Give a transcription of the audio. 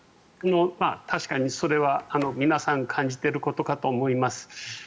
確かにそれは皆さん感じていることかと思います。